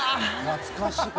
懐かしい。